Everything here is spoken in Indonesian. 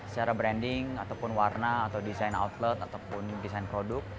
secara branding ataupun warna atau desain outlet ataupun desain produk